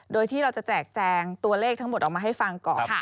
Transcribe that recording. โดยที่เราจะแจกแจงตัวเลขทั้งหมดออกมาให้ฟังก่อน